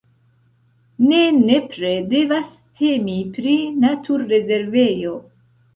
Ne nepre devas temi pri naturrezervejo.